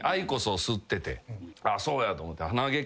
あっそうやと思って。